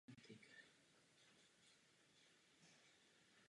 Tato dvojice řeší různé kriminální případy.